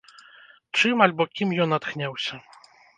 Чым альбо кім ён натхняўся?